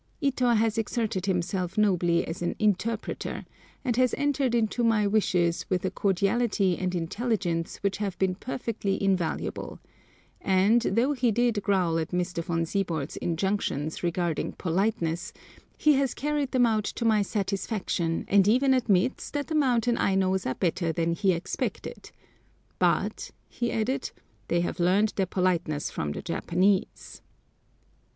Ito has exerted himself nobly as an interpreter, and has entered into my wishes with a cordiality and intelligence which have been perfectly invaluable; and, though he did growl at Mr. Von Siebold's injunctions regarding politeness, he has carried them out to my satisfaction, and even admits that the mountain Ainos are better than he expected; "but," he added "they have learned their politeness from the Japanese!"